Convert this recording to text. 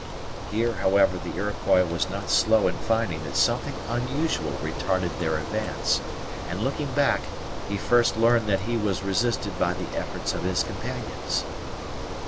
Here, however, the Iroquois was not slow in finding that something unusual retarded their advance, and, looking back; he first learned that he was resisted by the efforts of his companions.